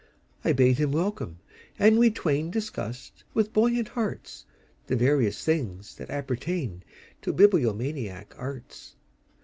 I bade him welcome, and we twainDiscussed with buoyant heartsThe various things that appertainTo bibliomaniac arts.